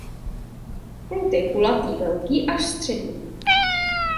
Plod je kulatý velký až střední.